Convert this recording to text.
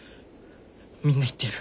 みんな言ってる。